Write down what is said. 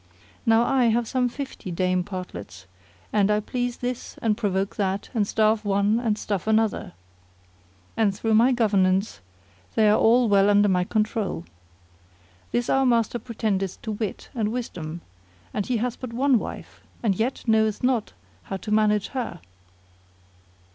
Now I have some fifty Dame Partlets; and I please this and provoke that and starve one and stuff another; and through my good governance they are all well under my control. This our master pretendeth to wit and wisdom, and he hath but one wife, and yet knoweth not how to manage her."